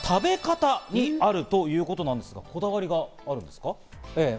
おそばの食べ方にあるということなんですが、こだわりがあるんですか？